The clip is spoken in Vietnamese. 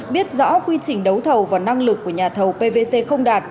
biết rõ quy trình đấu thầu và năng lực của nhà thầu pvc không đạt